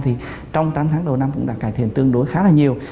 thì trong tám tháng đầu năm cũng đã cải thiện tương đối khá là nhiều